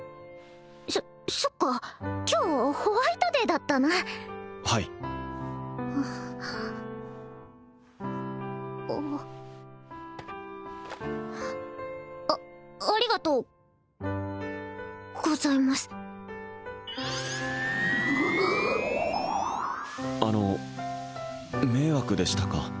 そそっか今日ホワイトデーだったなはいあありがとうございますあの迷惑でしたか？